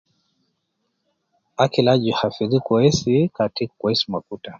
Akili aju hafidhi kwesii Kati kweis ma kuta.